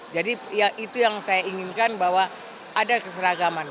jadi itu yang saya inginkan bahwa ada keseragaman